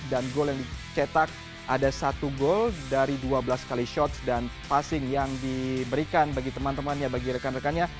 dan gol yang dicetak ada satu gol dari dua belas kali shots dan passing yang diberikan bagi teman temannya bagi rekan rekannya